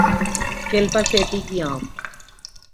شلپا شیٹھی کی ام